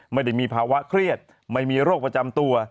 ไม่ได้มีภาวะเครียดไม่มีโรคประจำตัว